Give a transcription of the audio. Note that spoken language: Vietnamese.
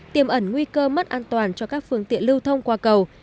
tiềm ẩn nguy cơ mất an toàn cho các phương tiện lưu thông qua cầu